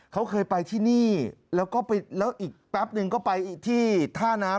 เขาเคยไปที่นี่แล้วอีกแป๊บหนึ่งก็ไปที่ท่าน้ำ